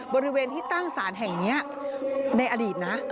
บริเวณที่ตั้งศาลแห่งนี้ในอดีตนะ